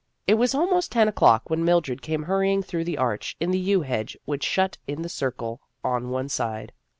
It was almost ten o'clock when Mildred came hurrying through the arch in the yew hedge which shut in the Circle on one side.